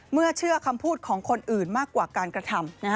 เชื่อคำพูดของคนอื่นมากกว่าการกระทำ